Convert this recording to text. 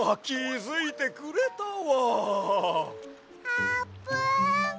あーぷん？